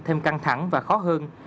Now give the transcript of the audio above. thêm căng thẳng và khó hơn